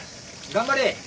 頑張れ。